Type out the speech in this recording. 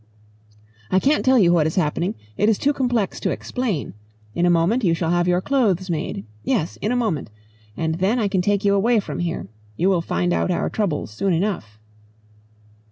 "I can't tell you what is happening. It is too complex to explain. In a moment you shall have your clothes made. Yes in a moment. And then I can take you away from here. You will find out our troubles soon enough."